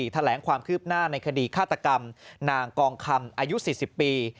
แถลงความคืบหน้าในคดีฆาตกรรมนางกองคำอายุ๔๐ปี